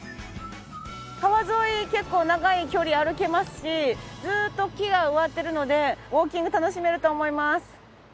川沿い結構長い距離歩けますしずーっと木が植わってるのでウォーキング楽しめると思います。